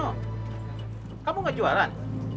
jono kamu gak juaran